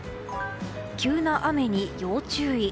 急な雨に要注意。